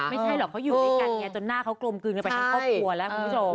ไม่ใช่หรอกเขาอยู่ด้วยกันไงจนหน้าเขากลมกลืนกันไปทั้งครอบครัวแล้วคุณผู้ชม